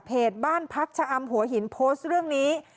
บ้านพักชะอำหัวหินโพสต์เรื่องนี้